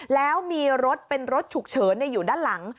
แล้วมีรถเป็นรถฉุกเฉินอยู่ด้านหลัง